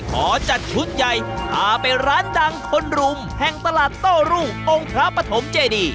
ขอจัดชุดใหญ่พาไปร้านดังคนรุมแห่งตลาดโต้รุ่งองค์พระปฐมเจดี